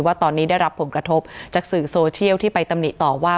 ว่าตอนนี้ได้รับผลกระทบจากสื่อโซเชียลที่ไปตำหนิต่อว่า